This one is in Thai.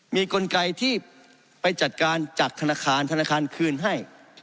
มีกลไกที่ไปจัดการจากธนาคารธนาคารคืนให้